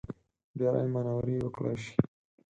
ډېرې مانورې وکړای شي.